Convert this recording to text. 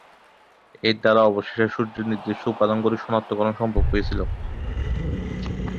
এর দ্বারা অবশেষে সূর্যের নির্দিষ্ট উপাদানগুলির সনাক্তকরণ সম্ভব হয়েছিল।